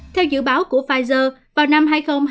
theo dự báo của pfizer vào năm hai nghìn hai mươi